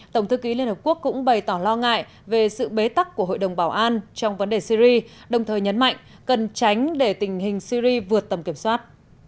tổng thư ký liên hợp quốc cũng bày tỏ lo ngại về sự bế tắc của hội đồng bảo an trong vấn đề syri đồng thời nhấn mạnh cần tránh để tình hình syri vượt tầm kiểm soát